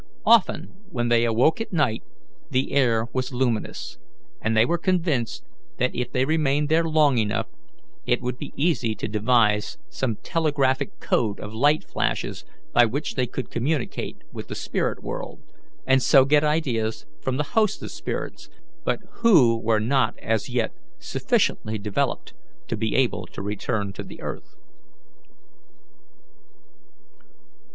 Often when they woke at night the air was luminous, and they were convinced that if they remained there long enough it would be easy to devise some telegraphic code of light flashes by which they could communicate with the spirit world, and so get ideas from the host of spirits that had already solved the problem of life and death, but who were not as yet sufficiently developed to be able to return to the earth.